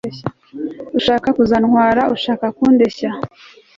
ushaka kuzantwara, ushaka kundeshya